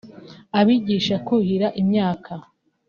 abigisha kuhira imyaka